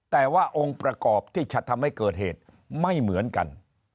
แต่ว่าองค์ประกอบที่จะทำให้เกิดเหตุไม่เหมือนกัน